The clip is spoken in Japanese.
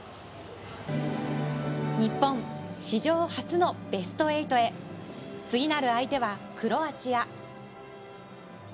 日本、史上初のベスト８へ次なる相手はクロアチア。